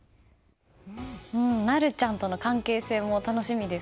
なるちゃんとの関係性も楽しみです。